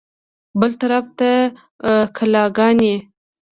بل طرف ته کلاګانې.